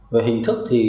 về hình thức thì